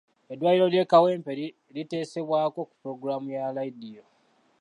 Eddwaliro ly'e Kawempe liteesebwako ku pulogulaamu ya laadiyo.